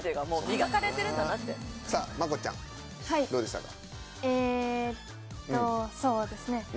さぁまこちゃんどうでしたか？